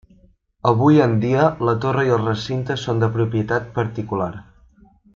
Avui en dia la torre i el recinte són de propietat particular.